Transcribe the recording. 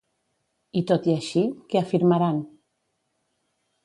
I tot i així, què afirmaran?